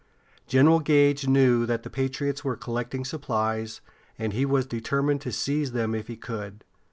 General Gage knew that the patriots were collecting supplies, and he was determined to seize them if he could.